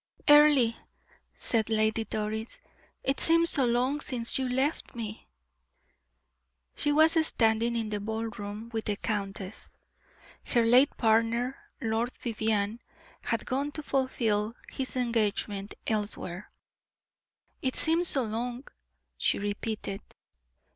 "Earle," said Lady Doris, "it seems so long since you left me." She was standing in the ball room with the countess. Her late partner, Lord Vivianne, had gone to fulfill his engagement elsewhere. "It seems so long," she repeated.